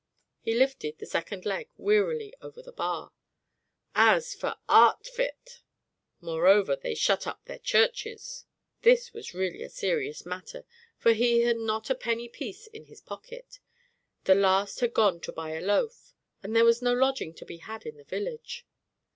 He lifted the second leg wearily over the bar. "As for Art phit! Moreover, they shut up their churches." This was really a serious matter for he had not a penny piece in his pocket, the last had gone to buy a loaf and there was no lodging to be had in the village.